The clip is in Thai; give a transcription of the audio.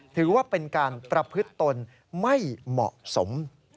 ถือว่าเป็นการประพฤติตนไม่เหมาะสม